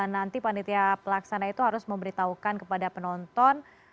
nanti panitia pelaksana itu harus memberitahukan kepada penonton